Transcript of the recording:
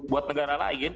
buat negara lain